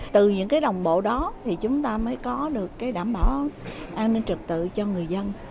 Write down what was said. từ những đồng bộ đó thì chúng ta mới có được đảm bảo an ninh trực tự cho người dân